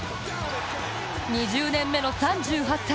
２０年目の３８歳！